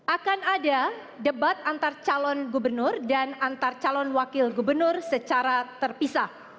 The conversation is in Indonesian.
akan ada debat antar calon gubernur dan antar calon wakil gubernur secara terpisah